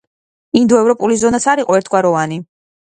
ინდოევროპული ზონაც არ იყო ერთგვაროვანი.